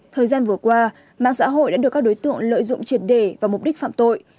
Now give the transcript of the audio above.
thời gian vừa qua mạng xã hội đã được các đối tượng lợi dụng triệt đề vào mục đích phạm tội